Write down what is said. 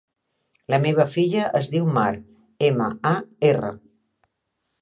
La meva filla es diu Mar: ema, a, erra.